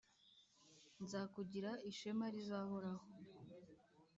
nzakugira ishema rizahoraho,